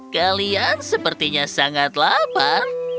kalian sepertinya sangat lapar